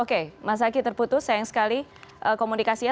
oke mas zaky terputus sayang sekali komunikasinya